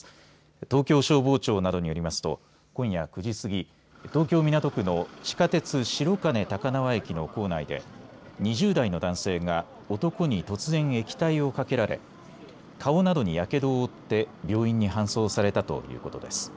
東京消防庁などによりますと今夜９時すぎ東京、港区の地下鉄、白金高輪駅の構内で２０代の男性が男に突然液体をかけられ顔などに、やけどを負って病院に搬送されたということです。